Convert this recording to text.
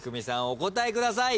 お答えください。